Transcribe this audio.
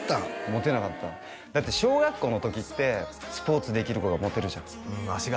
モテなかっただって小学校の時ってスポーツできる子がモテるじゃん